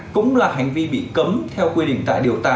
cũng là hành vi bị cấm theo quy định tại điều tám